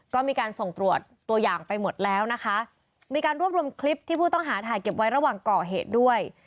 ก็มีการส่งตรวจตัวอย่างไปหมดแล้วนะคะมีการรวบรวมคลิปที่ผู้ต้องหาถ่ายเก็บไว้ระหว่างก่อเหตุด้วย